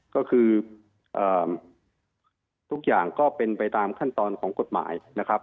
ก็คือทุกอย่างก็เป็นไปตามขั้นตอนของกฎหมายนะครับ